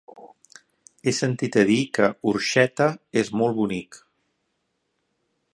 He sentit a dir que Orxeta és molt bonic.